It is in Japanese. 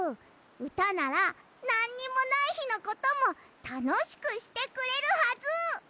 うたならなんにもないひのこともたのしくしてくれるはず！